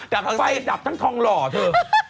แต่ไฟดับทั้งทองหล่อเธอ